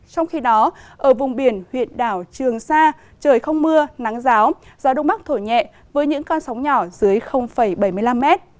trong khi đó ở vùng biển huyện đảo trường sa trời không mưa nắng giáo gió đông bắc thổi nhẹ với những con sóng nhỏ dưới bảy mươi năm m